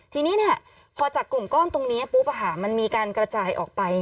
ทีนี้พอจากกลุ่มก้อนตรงนี้ปุ๊บมันมีการกระจายออกไป